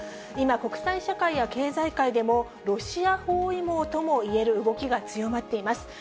今、国際社会や経済界でも、ロシア包囲網ともいえる動きが強まっています。